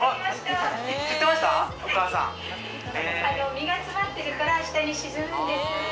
身が詰まってるから、下に沈むんです。